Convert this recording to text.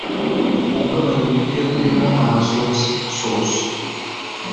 ugabanya ibiryo birimo amasosi (sauce)